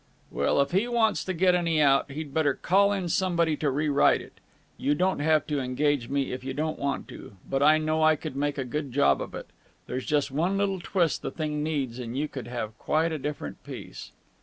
"Well, if he wants to get any out, he'd better call in somebody to rewrite it. You don't have to engage me if you don't want to. But I know I could make a good job of it. There's just one little twist the thing needs and you would have quite a different piece."